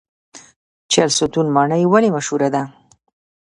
چهلستون ماڼۍ ولې مشهوره ده؟